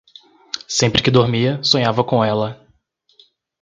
Sempre que dormia, sonhava com ela